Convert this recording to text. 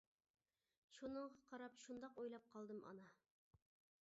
شۇنىڭغا قاراپ شۇنداق ئويلاپ قالدىم، ئانا.